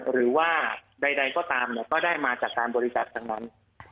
หรือว่าใดก็ตามก็ได้มาจากการบริจาคทั้งนั้น